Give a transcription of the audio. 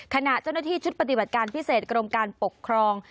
ขณะเจ้าหน้าที่ชุดปฏิบัติการพิเศษกรมการปกครอง